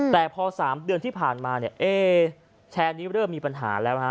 แต่พอ๓เดือนที่ผ่านมาเนี่ยเอ๊แชร์นี้เริ่มมีปัญหาแล้วฮะ